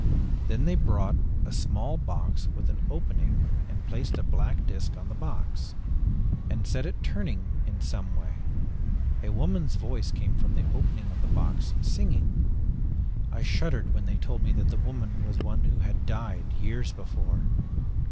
Then they brought a small box with an opening and placed a black disk on the box, and set it turning in some way. A woman's voice came from the opening of the box, singing. I shuddered when they told me that the woman was one who had died years before.